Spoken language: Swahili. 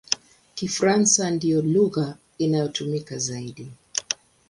Kifaransa ndiyo lugha inayotumika zaidi.